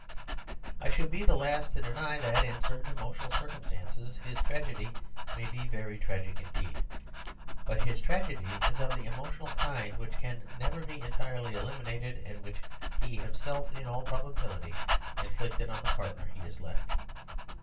I should be the last to deny that, in certain emotional circumstances, his tragedy may be very tragic indeed. But his tragedy is of the emotional kind which can never be entirely eliminated; and which he has himself, in all probability, inflicted on the partner he has left.